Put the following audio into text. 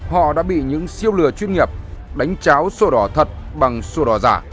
họ đã bị những siêu lừa chuyên nghiệp đánh cháo sổ đỏ thật bằng sổ đỏ giả